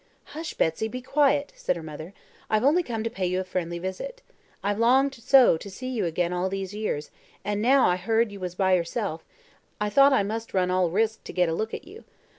"Hush! Betsy, be quiet," said her mother. "I've only come to pay you a friendly visit. I've longed so to see you again all these years, and now I heard you was by yourself, I thought I must run all risks to get a look at you.